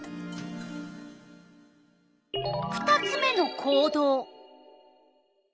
２つ目の行動。